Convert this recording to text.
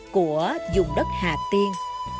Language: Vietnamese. của dùng đất hà tiên